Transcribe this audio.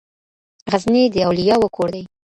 غزني د اولياوو کور دی.